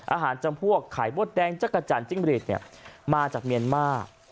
จำพวกไข่มดแดงจักรจันทร์จิ้งรีดเนี่ยมาจากเมียนมาร์